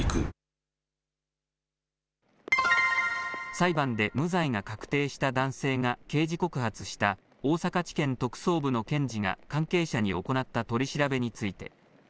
裁判で無罪が確定した男性が刑事告発した大阪地検特捜部の検事が関係者に行った取り調べについて。